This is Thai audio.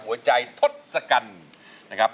หัวใจทศกัณฐ์นะครับ